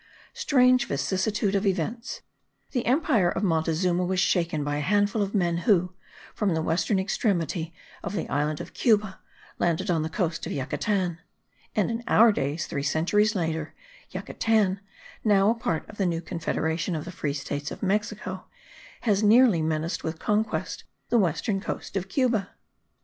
Strange vicissitude of events! the empire of Montezuma was shaken by a handful of men who, from the western extremity of the island of Cuba, landed on the coast of Yucatan; and in our days, three centuries later, Yucatan, now a part of the new confederation of the free states of Mexico, has nearly menaced with conquest the western coast of Cuba.